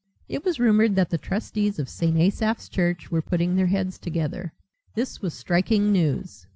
It was rumoured that the trustees of St. Asaph's Church were putting their heads together. This was striking news.